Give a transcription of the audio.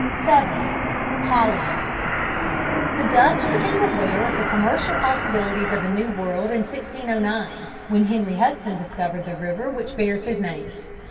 7. HOLLAND. The Dutch became aware of the commercial possibilities of the New World when in 1609 Henry Hudson discovered the river which bears his name.